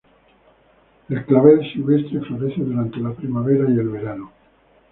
El clavel silvestre florece durante la primavera y verano.